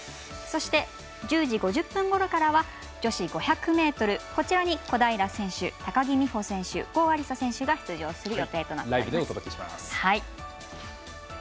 そして、１０時５０分ごろからは女子５００ｍ、こちらに小平奈緒選手、高木美帆選手郷亜里砂選手が出場する予定となっています。